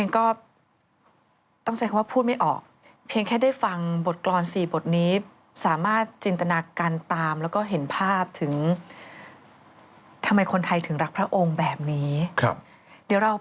ก็ต้องใจว่าพูดไม่ออกเพียงแค่ได้ฟังบทกรรมสี่บทนี้สามารถจินตนากันตามแล้วก็เห็นภาพถึงทำไมคนไทยถึงรักพระองค์แบบนี้